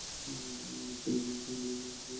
লোকজন এভাবেই অভিযোগ করতে আসে, অভিযোগ করে চলেও যায়।